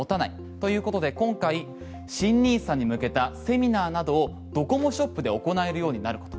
ということで今回新ＮＩＳＡに向けたセミナーなどをドコモショップで行えるようになること。